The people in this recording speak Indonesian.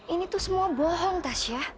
ini tuh semua bohong tasyah